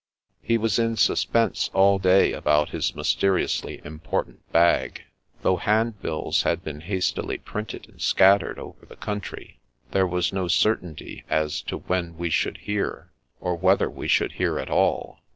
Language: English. He was in suspense all day about his mysteriously important bag.. Though handbills had been hastily printed and scattered over the country, there was no certainty as to when we should hear or whether we should hear at all.